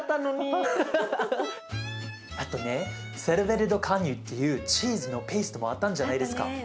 セルヴェル・ド・カニュっていうチーズのペーストもあったんじゃないですか。